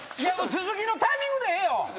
鈴木のタイミングでええよ。